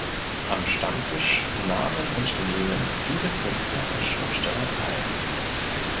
Am Stammtisch nahmen und nehmen viele Künstler und Schriftsteller teil.